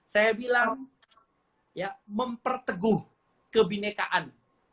saya bilang memperteguh kebinekaan